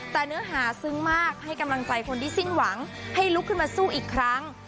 แต่เนื้อหาซึ้งมากให้กำลังใจคนที่สิ้นหวังให้ลุกขึ้นมาสู้อีกครั้ง